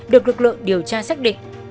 được lực lượng điều tra xác định